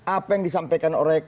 apa yang disampaikan oleh